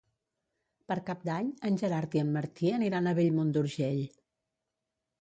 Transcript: Per Cap d'Any en Gerard i en Martí aniran a Bellmunt d'Urgell.